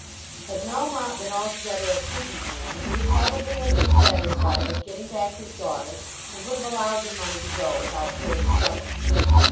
Had Melmotte been altogether a prudent man he would probably have been satisfied with getting back his daughter and would have allowed the money to go without further trouble.